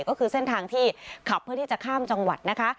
ก็คือเส้นทางที่ขับเพื่อที่จะข้ามจังหวัดนะคะ